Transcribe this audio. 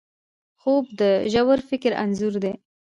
خوب د ژور فکر انځور دی